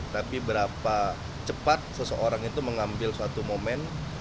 tapi berapa cepat seseorang itu mengambil suatu momen